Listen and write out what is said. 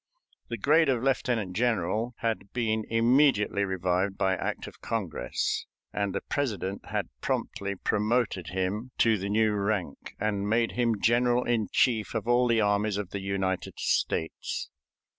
The grade of lieutenant general had been immediately revived by act of Congress, and the President had promptly promoted him to the new rank, and made him general in chief of all the armies of the United States.